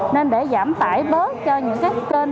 nên để giảm tải bớt cho những cái kênh